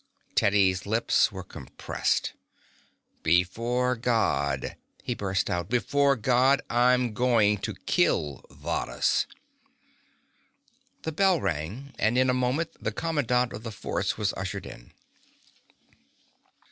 Teddy's lips were compressed. "Before God," he burst out, "before God, I'm going to kill Varrhus!" The bell rang, and in a moment the commandant of the forts was ushered in.